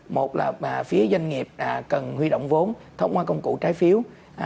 một là phía doanh nghiệp cần huy động vốn thông qua công cụ trái phiếu